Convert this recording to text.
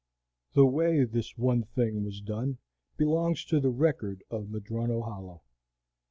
The way this one thing was done belongs to the record of Madrono Hollow.